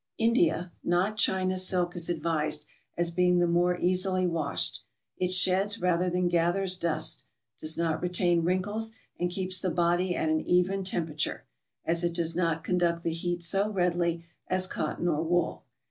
India (not China) silk is advised, as being the more easily washed. It sheds rather than gathers dust; does not retain wrinkles; and keeps the body at an even temperature, as it does not conduct the heat so readily as cotton or wool.